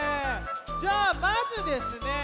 じゃあまずですね